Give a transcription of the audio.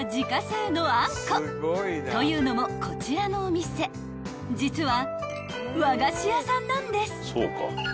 ［というのもこちらのお店実は］